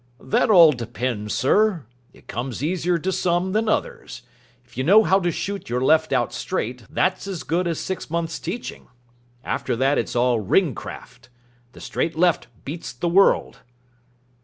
"That all depends, sir. It comes easier to some than others. If you know how to shoot your left out straight, that's as good as six months' teaching. After that it's all ring craft. The straight left beats the world."